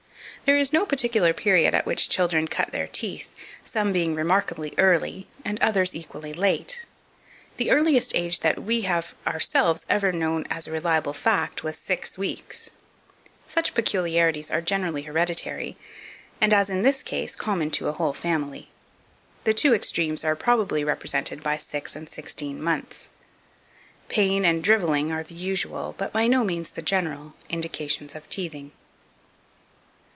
There is no particular period at which children cut their teeth, some being remarkably early, and others equally late. The earliest age that we have ever ourselves known as a reliable fact was, six weeks. Such peculiarities are generally hereditary, and, as in this case, common to a whole family. The two extremes are probably represented by six and sixteen months. Pain and drivelling are the usual, but by no means the general, indications of teething.